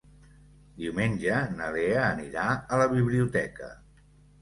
Diumenge na Lea anirà a la biblioteca.